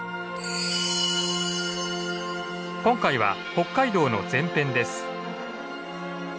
今回は北海道の前編です。